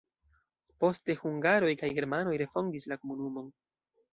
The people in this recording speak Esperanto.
Poste hungaroj kaj germanoj refondis la komunumon.